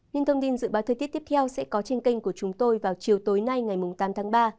những thông tin dự báo thời tiết tiếp theo sẽ có trên kênh của chúng tôi vào chiều tối nay ngày tám tháng ba